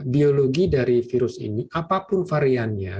biologi dari virus ini apapun variannya